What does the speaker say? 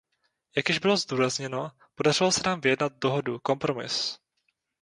Jak již bylo zdůrazněno, podařilo se nám vyjednat dohodu, kompromis.